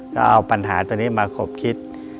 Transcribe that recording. ก็เอาปัญหาตัวนี้มาขบคิด